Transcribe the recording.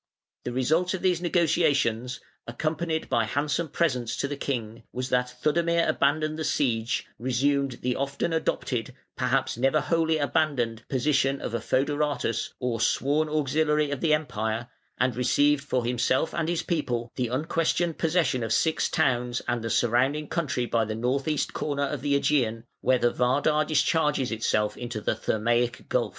The result of these negotiations (accompanied by handsome presents to the king) was that Theudemir abandoned the siege, resumed the often adopted, perhaps never wholly abandoned, position of a fœderatus or sworn auxiliary of the Empire, and received for himself and his people the unquestioned possession of six towns and the surrounding country by the north east corner of the Ægean, where the Vardar discharges itself into the Thermaic Gulf.